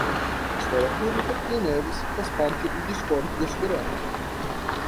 História Pública, Ian Neves, faz parte do discord da Soberana